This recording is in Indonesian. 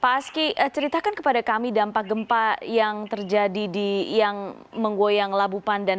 pak aski ceritakan kepada kami dampak gempa yang terjadi yang menggoyang labu pandan